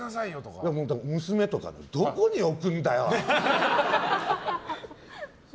娘とかにどこに置くんだよ？